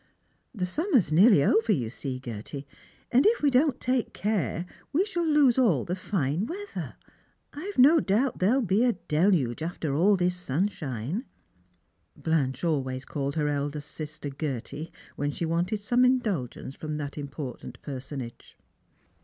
" The summer's nearly over, you see, Gerty, and if we don't take care we shall lose all the fine weather. I've no doubt there'll be a deluge after all this sunshine." Blanche always called her eldest sister "Gerty" when she wanted some indulgence from that important personage.